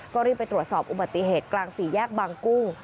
ก็รีบไปตรวจสอบอุบัติเหตุกลางสี่แยกบางกุ้ง